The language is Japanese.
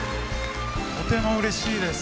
とてもうれしいです！